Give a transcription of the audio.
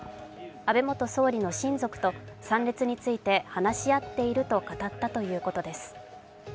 安倍元総理の親族と参列について話し合っていると語ったということです。